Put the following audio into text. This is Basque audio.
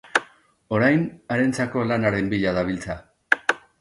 Orain, harentzako lanaren bila dabiltza.